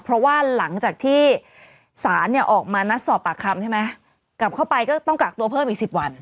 เพราะว่าหลังจากที่ศาลเนี่ยออกมานัดสอบปากคำใช่ไหมกลับเข้าไปก็ต้องกักตัวเพิ่มอีก๑๐วัน